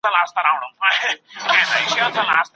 که په خپلو سرچينو تکيه ونه کړو تل به وروسته پاته يو.